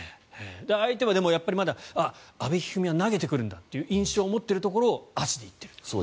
相手はまだ阿部一二三は投げてくるんだという印象を持っているところを足で行っている。